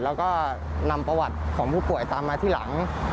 แล้วก็นำประวัติของผู้ป่วยตามมาที่หลัง